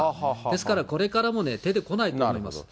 ですからこれからもね、出てこないと思います。